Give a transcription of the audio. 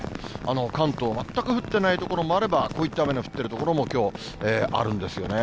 関東、全く降ってない所もあれば、こういった雨の降っている所もきょう、あるんですよね。